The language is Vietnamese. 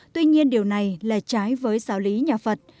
tuy nhiên điều này là trái với giáo lý nhà phật